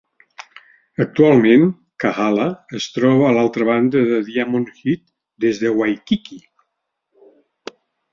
Actualment, Kahala es troba a l'altra banda de Diamond Head des de Waikiki.